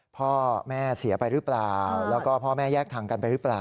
พ่อแม่เสียไปหรือเปล่าแล้วก็พ่อแม่แยกทางกันไปหรือเปล่า